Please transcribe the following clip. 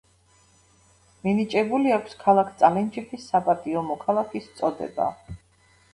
მინიჭებული აქვს ქალაქ წალენჯიხის საპატიო მოქალაქის წოდება.